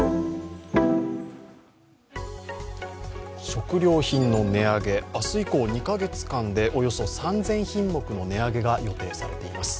食料品の値上げ明日以降２カ月間でおよそ３０００品目の値上げが予定されています。